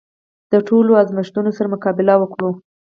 د ټولو ازمېښتونو سره مقابله وکړو.